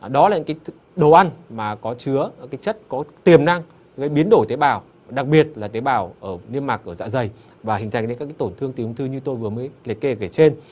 đó là những cái đồ ăn mà có chứa các chất có tiềm năng biến đổi tế bào đặc biệt là tế bào niêm mạc ở dạ dày và hình thành các tổn thương tiền ung thư như tôi vừa mới liệt kê ở phía trên